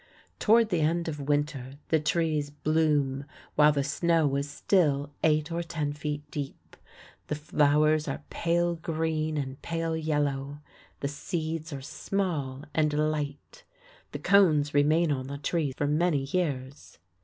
Toward the end of winter the trees bloom, while the snow is still eight or ten feet deep. The flowers are pale green and pale yellow. The seeds are small and light. The cones remain on the tree for many years.